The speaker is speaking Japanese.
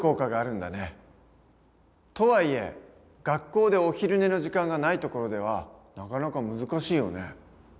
とはいえ学校でお昼寝の時間がないところではなかなか難しいよね。